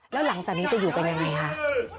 แล้วหลังจากนี้จะอยู่กันยังไงคะ